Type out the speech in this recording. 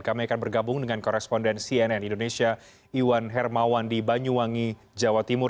kami akan bergabung dengan koresponden cnn indonesia iwan hermawan di banyuwangi jawa timur